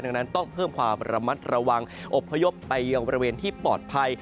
ดังนั้นต้องเพิ่มความระมัดระวังอบพยพไปยังบริเวณที่ปลอดภัย